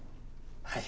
はい。